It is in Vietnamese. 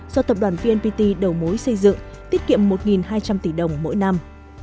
do tập đoàn vnpt đầu mối xây dựng tiết kiệm một hai trăm linh tỷ đồng mỗi năm